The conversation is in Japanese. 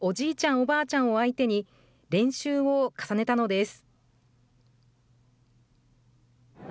おばあちゃんを相手に、練習を重ねたのです。